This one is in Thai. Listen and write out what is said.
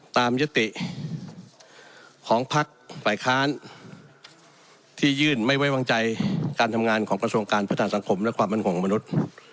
ยติของพักฝ่ายค้านที่ยื่นไม่ไว้วางใจการทำงานของกระทรวงการพัฒนาสังคมและความมั่นคงมนุษย์